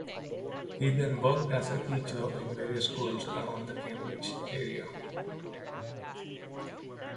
He then worked as a teacher in various schools around the Cambridge area.